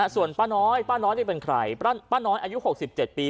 ส่วนป้าน้อยป้าน้อยเป็นใครป้าน้อยอายุหกสิบเจ็ดปี